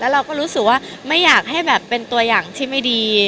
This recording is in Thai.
เราก็รู้สึกว่าไม่อยากให้แบบเป็นตัวอย่างที่ไม่ดี